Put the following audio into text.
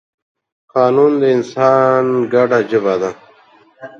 قانون د انسان ګډه ژبه ده.